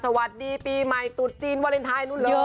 สวัสดีปีใหม่ตุดจีนวาเลนไทยนู่นเลย